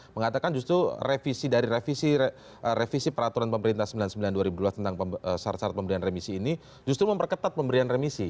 mengatakan justru revisi peraturan pemerintah sembilan puluh sembilan dua ribu dua tentang syarat syarat pemberian remisi ini justru memperketat pemberian remisi